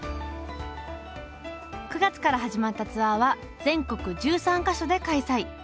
９月から始まったツアーは全国１３か所で開催。